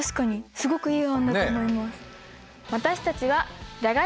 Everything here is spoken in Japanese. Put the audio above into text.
すごくいい案だと思います。